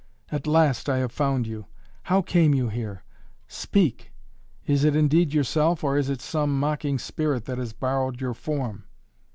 "At last I have found you! How came you here? Speak! Is it indeed yourself, or is it some mocking spirit that has borrowed your form?"